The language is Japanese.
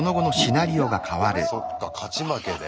そっか勝ち負けで。